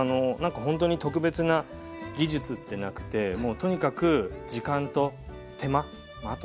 ほんとに特別な技術ってなくてもうとにかく時間と手間あとは愛情ですかね。